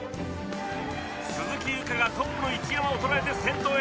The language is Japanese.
鈴木優花がトップの一山を捉えて先頭へ。